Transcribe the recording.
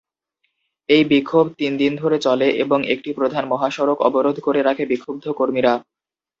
এই বিক্ষোভ তিন দিন ধরে চলে এবং একটি প্রধান মহাসড়ক অবরোধ করে রাখে বিক্ষুব্ধ কর্মীরা।